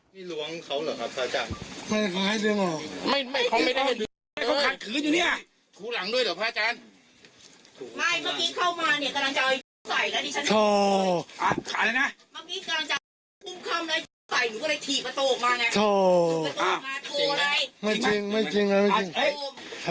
เมื่อกี้เข้ามาเนี่ยกำลังจะเฒิร์ตใส่แล้วที่ฉันเขามา